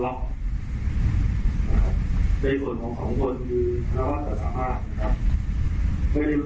แล้วรู้จักกับความเริกจากเออนักธิเป็นเพราะว่า